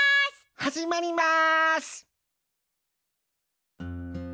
はじまります！